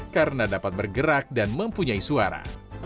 karena dapat bergerak dan mempunyai suara